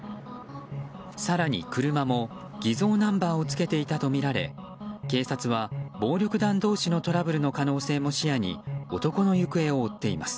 更に、車も偽造ナンバーをつけていたとみられ警察は暴力団同士のトラブルの可能性も視野に男の行方を追っています。